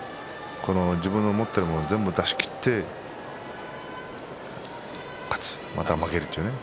自分の持っているものを全部出し切って勝つまた負けるというね